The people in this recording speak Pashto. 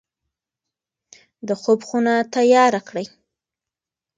د خوب خونه تیاره کړئ.